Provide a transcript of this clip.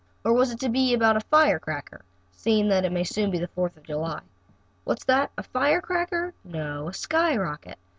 Or was it to be about a firecracker, seeing that it soon may be the Fourth of July? What's that a firecracker no? A skyrocket?